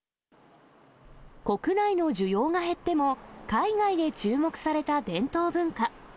国内の需要が減っても、海外で注目された伝統文化。